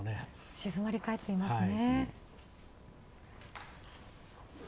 静まり返っていますね。